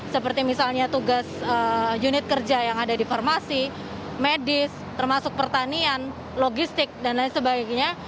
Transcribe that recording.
seperti misalnya tugas unit kerja yang ada di farmasi medis termasuk pertanian logistik dan lain sebagainya